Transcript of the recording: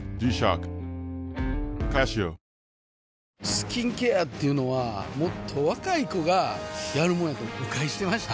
スキンケアっていうのはもっと若い子がやるもんやと誤解してました